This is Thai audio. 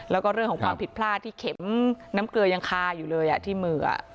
แล้วก็เรื่องของความผิดพลาดที่เข็มน้ำเกลือยังคาอยู่เลยที่มือ